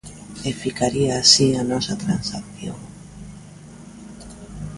E ficaría así a nosa transacción.